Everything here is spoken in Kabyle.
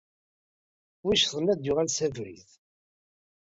Win yeccḍen, ad d-yuɣal s abrid.